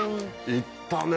いったね。